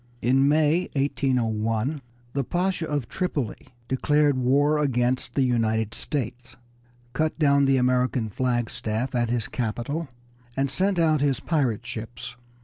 In May, 1801, the Pasha of Tripoli declared war against the United States, cut down the American flagstaff at his capital, and sent out his pirate ships.